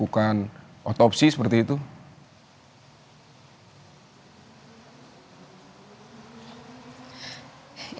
apakah ada alasan tertentu keluarga langsung membawa jenazah dari brigadir ra ke manado